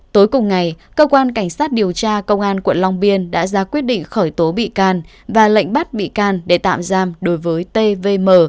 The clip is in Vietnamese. tối cùng ngày cơ quan cảnh sát điều tra công an quận long biên đã ra quyết định khởi tố bị can và lệnh bắt bị can để tạm giam đối với tvm